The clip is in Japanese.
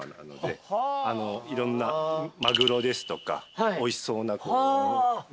いろんなマグロですとかおいしそうな食物の。